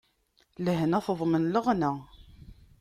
Lehna teḍmen leɣna.